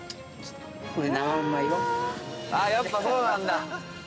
やっぱそうなんだ。